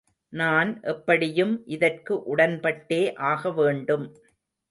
நான் எப்படியும் இதற்கு உடன்பட்டே ஆகவேண்டும்.